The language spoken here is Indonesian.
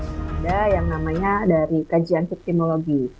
ada yang namanya dari kajian victimologi